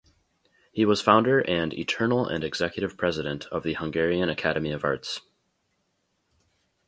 He was founder and "eternal and executive president" of the Hungarian Academy of Arts.